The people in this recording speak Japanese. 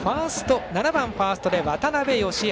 ７番、ファーストで渡邊佳明。